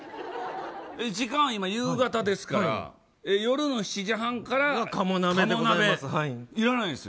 時間、今、夕方ですから夜の７時半から鴨鍋でございます。